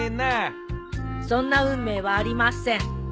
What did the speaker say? そんな運命はありません。